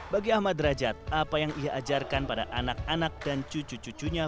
bagi ahmad derajat apa yang ia ajarkan pada anak anak dan cucu cucunya